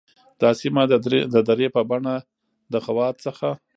دا سیمه د درې په بڼه د خوات څخه